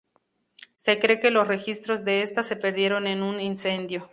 Se cree que los registros de esta se perdieron en un incendio.